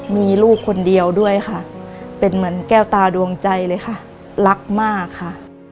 มีลูกคนเดียวด้วยค่ะเป็นเหมือนแก้วตาดวงใจเลยค่ะรักมากค่ะ